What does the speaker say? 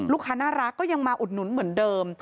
น่ารักก็ยังมาอุดหนุนเหมือนเดิม